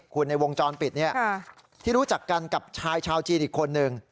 คุณในวงจรปิดที่รู้จักกันกับชายชาวจีนอีกคนนึง